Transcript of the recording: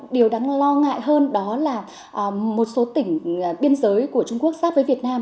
điều đáng lo ngại hơn đó là một số tỉnh biên giới của trung quốc giáp với việt nam